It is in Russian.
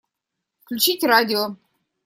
Включить радио.